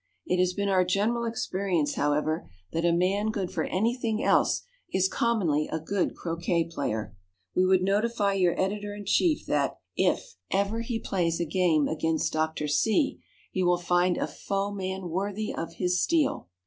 It has been our general experience, however, that a man good for any thing else is commonly a good croquet player. We would notify your editor in chief, that, if ever he plays a game against Dr. C , he will find a foeman worthy of his steel.